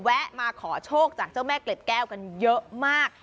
มาขอโชคจากเจ้าแม่เกล็ดแก้วกันเยอะมาก